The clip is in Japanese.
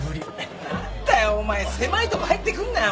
何だよお前狭いとこ入ってくんなよ